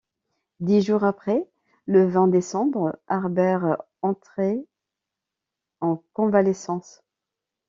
Dix jours après, le vingt décembre, Harbert entrait en convalescence.